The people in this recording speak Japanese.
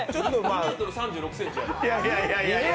２ｍ３６ｃｍある。